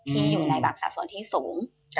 ที่อยู่ในสะสนที่สูง